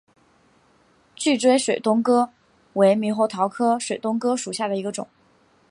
聚锥水东哥为猕猴桃科水东哥属下的一个种。